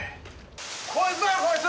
こいつだよこいつ！